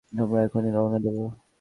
আমরা এক্ষুনি রওনা দেব!